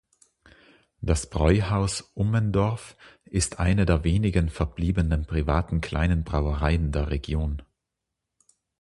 Das Bräuhaus Ummendorf ist eine der wenigen verbliebenen privaten kleinen Brauereien der Region.